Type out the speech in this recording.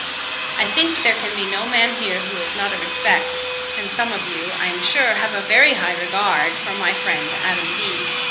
I think there can be no man here who has not a respect, and some of you, I am sure, have a very high regard, for my friend Adam Bede.